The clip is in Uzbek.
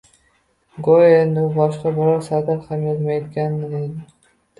Goʻyo endi u boshqa biror satr ham yozmaydiganday